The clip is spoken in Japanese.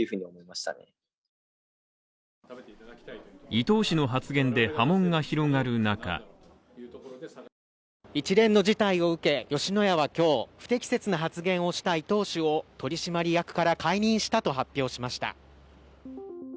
伊東氏の発言で波紋が広がる中一連の事態を受け、吉野家は今日、不適切な発言をした伊東氏を取締役から解任したと発表しました。